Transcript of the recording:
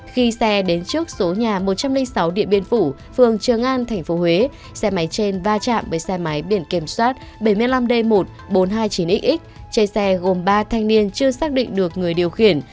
khi xe đến trước số nhà một trăm linh sáu điện biên phủ phường trường an tp huế xe máy trên va chạm với xe máy biển kiểm soát bảy mươi năm d một nghìn bốn trăm hai mươi chín x chạy xe gồm ba thanh niên chưa xác định được người điều khiển